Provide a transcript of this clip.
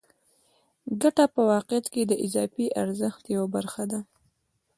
ګته په واقعیت کې د اضافي ارزښت یوه برخه ده